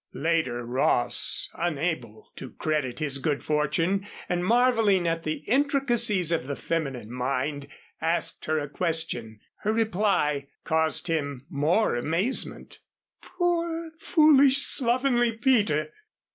Later, Ross, unable to credit his good fortune and marveling at the intricacies of the feminine mind, asked her a question. Her reply caused him more amazement: "Poor, foolish, Slovenly Peter!